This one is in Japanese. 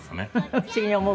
不思議に思うから？